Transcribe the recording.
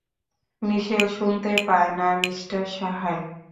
মিশেল শুনতে পায় না, মিস্টার সাহায়।